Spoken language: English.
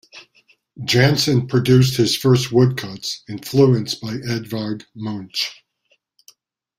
Janssen produced his first woodcuts, influenced by Edvard Munch.